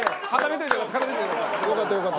よかったよかった。